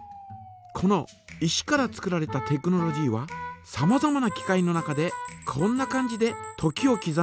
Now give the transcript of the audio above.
この石から作られたテクノロジーはさまざまな機械の中でこんな感じで時をきざんでいます。